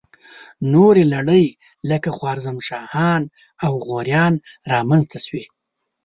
نورې لړۍ لکه خوارزم شاهان او غوریان را منځته شوې.